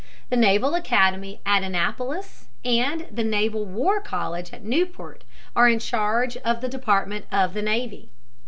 The Naval Academy at Annapolis and the Naval War College at Newport are in charge of the Department of the Navy.